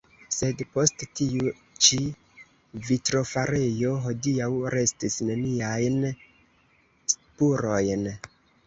Sed post tiu ĉi vitrofarejo hodiaŭ restis neniajn spurojn.